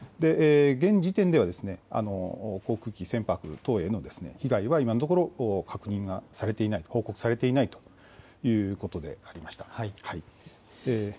現時点では航空機、船舶等への被害は今のところ、報告されていないということでありました。